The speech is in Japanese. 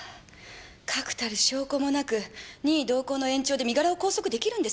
確たる証拠もなく任意同行の延長で身柄を拘束できるんですか？